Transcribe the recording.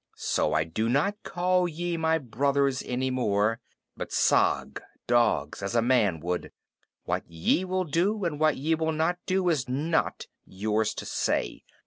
So I do not call ye my brothers any more, but sag [dogs], as a man should. What ye will do, and what ye will not do, is not yours to say.